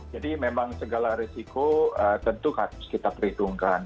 jadi memang segala risiko tentu harus kita perhitungkan